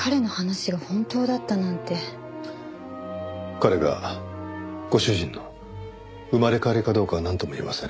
彼がご主人の生まれ変わりかどうかはなんとも言えません。